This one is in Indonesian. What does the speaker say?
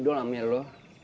dul sama lu